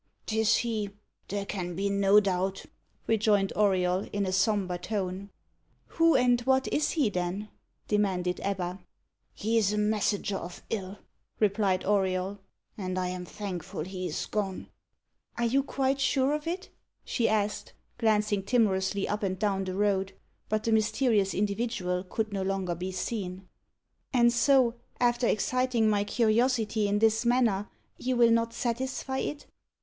"'Tis he, there can be no doubt," rejoined Auriol, in a sombre tone. "Who and what is he, then?" demanded Ebba. "He is a messenger of ill," replied Auriol, "and I am thankful he is gone." [Illustration: The Iron merchant's Daughter.] "Are you quite sure of it?" she asked, glancing timorously up and down the road. But the mysterious individual could no longer be seen. "And so, after exciting my curiosity in this manner, you will not satisfy it?"